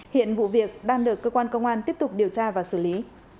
hiện vụ việc đang được cơ quan công an tiếp tục điều tra và xử lý